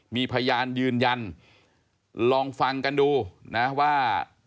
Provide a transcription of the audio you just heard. มีพยานยืนยันลองฟังกันดูนะว่า